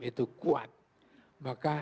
itu kuat maka